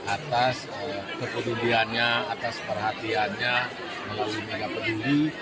atas kepeduliannya atas perhatiannya melalui mega peduli